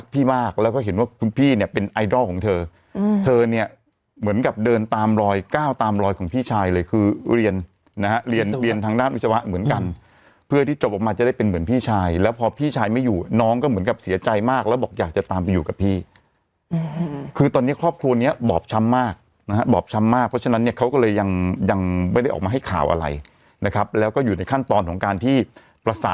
ตามรอยก้าวตามรอยของพี่ชายเลยคือเรียนนะฮะเรียนเรียนทางด้านวิชาวะเหมือนกันเพื่อที่จบออกมาจะได้เป็นเหมือนพี่ชายแล้วพอพี่ชายไม่อยู่น้องก็เหมือนกับเสียใจมากแล้วบอกอยากจะตามไปอยู่กับพี่อืมคือตอนนี้ครอบครัวเนี้ยบอบช้ำมากนะฮะบอบช้ำมากเพราะฉะนั้นเนี้ยเขาก็เลยยังยังไม่ได้ออกมาให้ข่าวอะไรนะครับแล้วก็อยู่ในขั้